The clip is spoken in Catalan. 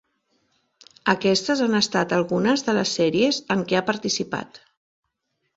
Aquestes han estat algunes de les sèries en què ha participat.